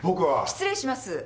失礼します。